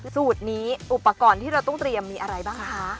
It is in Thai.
สูตรนี้อุปกรณ์ที่เราต้องเตรียมมีอะไรบ้างคะ